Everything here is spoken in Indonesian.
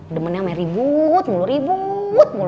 demennya sama ribut ribut